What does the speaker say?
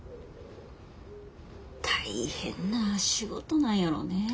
大変な仕事なんやろねぇ。